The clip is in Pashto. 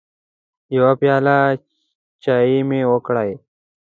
يوه پياله چايي مې وکړې